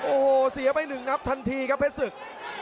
โอ้โหเสียไปหนึ่งนับทันทีครับเพชรศึก